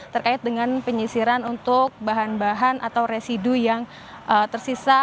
terkait dengan penyisiran untuk bahan bahan atau residu yang tersisa